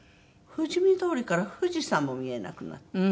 富士見通りから富士山も見えなくなって。